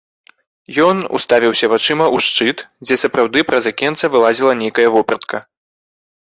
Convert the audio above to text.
Ён уставіўся вачыма ў шчыт, дзе сапраўды праз акенца вылазіла нейкая вопратка.